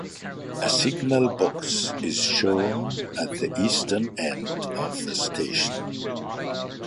A signal box is shown at the eastern end of the station.